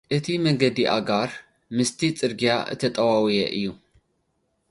እቲ መገዲ ኣጋር፡ ምስቲ ጽርግያ እተጠዋወየ እዩ።